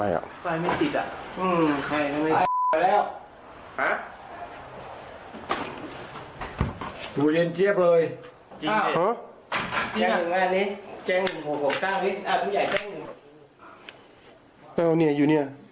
จริงอ่ะอันนี้แจ้งหัวของชาวนี้อ่ะผู้ใหญ่แจ้งเออเนี่ยอยู่เนี่ย